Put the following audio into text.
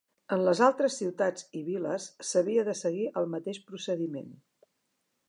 En les altres ciutats i viles s'havia de seguir el mateix procediment.